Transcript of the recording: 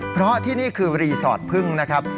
เพราะที่นี่คือรีสอร์ทพึ่งนะครับ